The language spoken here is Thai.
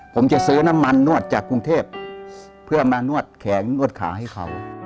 ผมจะซื้อน้ำมันนวดจากกรุงเทพเพื่อมานวดแขนนวดขาให้เขา